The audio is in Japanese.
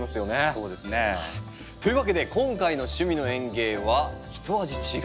そうですね。というわけで今回の「趣味の園芸」はひと味違った試みです。